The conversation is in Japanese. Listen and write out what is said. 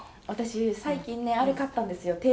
私最近ねあれ買ったんですよ